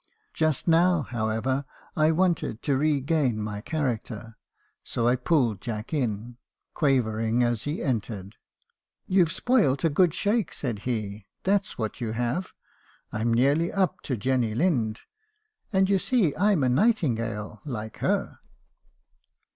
Just now, however, I wanted to regain my character. Sol pulled Jack in , quavering as he entered. u ' You 've spoilt a good shake ,' said he ,' that 's what you have. I 'm nearly up to Jenny Lind ; and you see I'm a nightin gale , like her.'